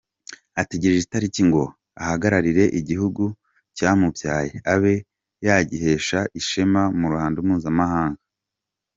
Ategereje itariki ngo ahagararire igihugu cyamubyaye abe yagihesha ishema mu ruhando mpuzamahanga.